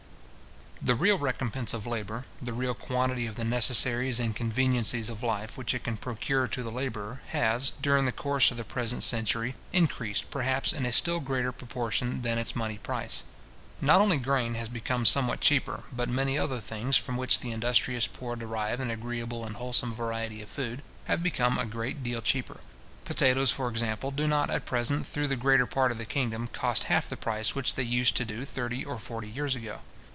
The real recompence of labour, the real quantity of the necessaries and conveniencies of life which it can procure to the labourer, has, during the course of the present century, increased perhaps in a still greater proportion than its money price. Not only grain has become somewhat cheaper, but many other things, from which the industrious poor derive an agreeable and wholesome variety of food, have become a great deal cheaper. Potatoes, for example, do not at present, through the greater part of the kingdom, cost half the price which they used to do thirty or forty years ago.